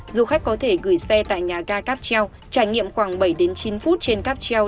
du khách có thể gửi xe tại nhà ga cáp treo trải nghiệm khoảng bảy chín phút trên cáp treo